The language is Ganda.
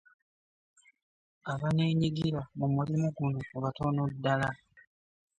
Abaneenyigira mu mulimu guno batono ddala.